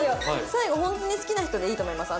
最後ホントに好きな人でいいと思います。